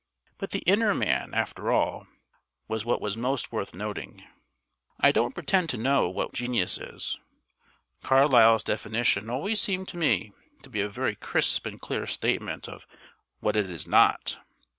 But the inner man, after all, was what was most worth noting. I don't pretend to know what genius is. Carlyle's definition always seemed to me to be a very crisp and clear statement of what it is NOT.